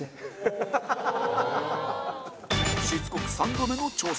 しつこく３度目の挑戦